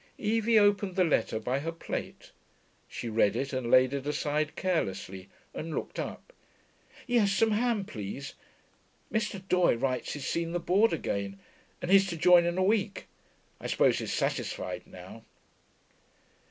Evie opened the letter by her plate. She read it and laid it aside carelessly, and looked up. 'Yes, some ham, please.... Mr. Doye writes he's seen the Board again and he's to join in a week. I suppose he's satisfied now.'